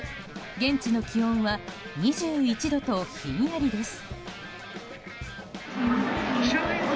現地の気温は２１度とひんやりです。